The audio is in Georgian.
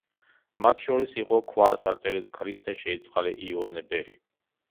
მათ შორის იყო ქვა წარწერით „ქრისტე შეიწყალე იოანე ბერი“.